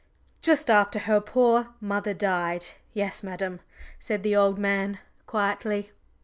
"Just after her poor mother died yes, madam," said the old man quietly.